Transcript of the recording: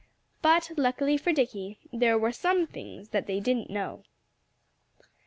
But luckily for Dickie, there were some things that they didn't know.